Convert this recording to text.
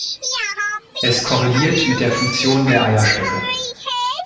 Es korreliert mit der Funktion der Eierstöcke.